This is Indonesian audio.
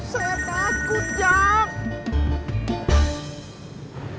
saya takut jack